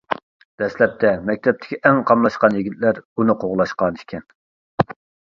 دەسلەپتە مەكتەپتىكى ئەڭ قاملاشقان يىگىتلەر ئۇنى قوغلاشقان ئىكەن.